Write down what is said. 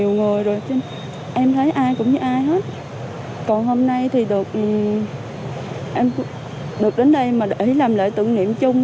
nhiều người rồi em thấy ai cũng như ai hết còn hôm nay thì được đến đây để làm lễ tưởng niệm chung